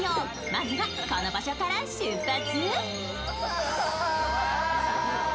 まずはこの場所から出発！